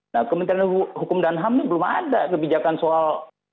nah kementerian hukum dan ham ini belum ada kebijakan soal